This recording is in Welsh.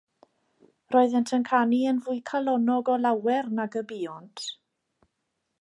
Roeddent yn canu yn fwy calonnog o lawer nag y buont.